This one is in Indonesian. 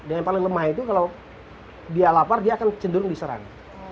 dan yang paling lemah itu kalau dia lapar dia akan cenderung diserang